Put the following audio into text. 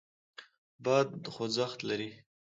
باد خوځښت لري.